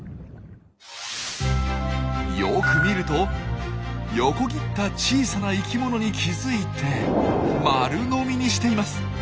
よく見ると横切った小さな生きものに気付いて丸飲みにしています。